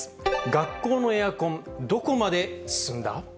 学校のエアコン、どこまで進んだ？